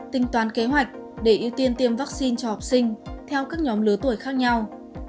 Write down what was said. tính toán kế hoạch để ưu tiên tiêm vaccine cho học sinh theo các nhóm lứa tuổi khác nhau